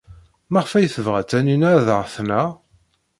Maɣef ay tebɣa Taninna ad aɣ-tneɣ?